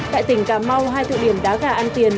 tại tỉnh cà mau hai thụ điển đá gà ăn tiền